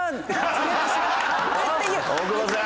大久保さん。